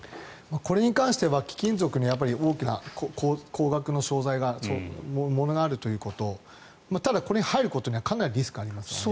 これに関しては貴金属に高額の商材、モノがあるということただ、これに入るにはかなりリスクがありますから。